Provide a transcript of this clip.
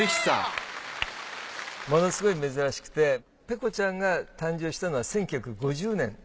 ものすごい珍しくてペコちゃんが誕生したのは１９５０年。